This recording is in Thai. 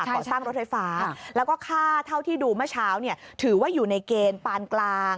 ก่อสร้างรถไฟฟ้าแล้วก็ค่าเท่าที่ดูเมื่อเช้าถือว่าอยู่ในเกณฑ์ปานกลาง